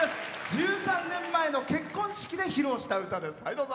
１３年前の結婚式で披露した歌です。